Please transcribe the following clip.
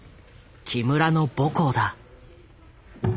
木村の母校だ。